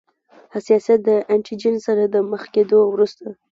حساسیت د انټي جېن سره د مخ کیدو وروسته.